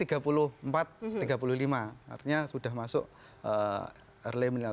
ya jadi akhirnya sudah masuk early milenial